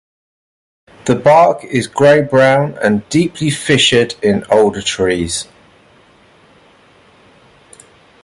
The bark is grey-brown, and deeply fissured in older trees.